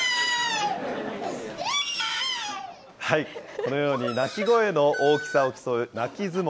このように、泣き声の大きさを競う泣き相撲。